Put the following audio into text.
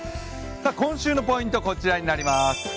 今週のポイント、こちらになります。